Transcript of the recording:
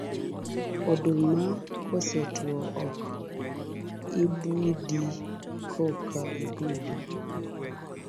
Oduma kosetwo ok ibudi koka ibule.